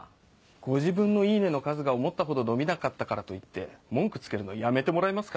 ご自分のいいねの数が思ったほど伸びなかったからといって文句つけるのやめてもらえますかね。